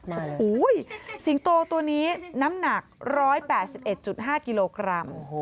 โอ้โหสิงโตตัวนี้น้ำหนัก๑๘๑๕กิโลกรัม